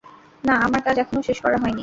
না, আমার কাজ এখনো শেষ করা হয়নি।